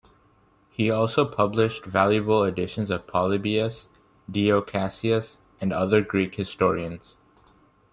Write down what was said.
He also published valuable editions of Polybius, Dio Cassius and other Greek historians.